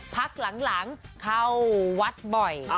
พักหลังเข้าวัดบ่อย